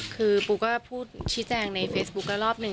คือปูก็พูดชี้แจงในเฟซบุ๊คแล้วรอบหนึ่ง